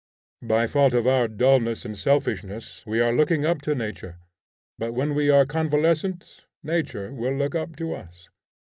By fault of our dulness and selfishness we are looking up to nature, but when we are convalescent, nature will look up to us.